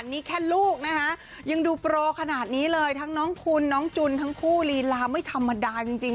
นี่แค่ลูกนะคะยังดูโปรขนาดนี้เลยทั้งน้องคุณน้องจุนทั้งคู่ลีลาไม่ธรรมดาจริง